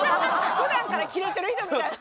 普段からキレてる人みたいな。